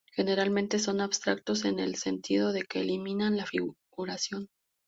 Generalmente son abstractos en el sentido de que eliminan la figuración.